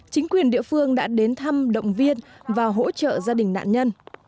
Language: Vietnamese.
chính quyền địa phương đã đến thăm động viên và hỗ trợ gia đình nạn nhân